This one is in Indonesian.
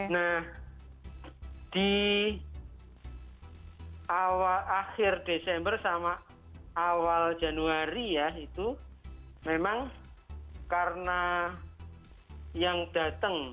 nah di akhir desember sama awal januari ya itu memang karena yang datang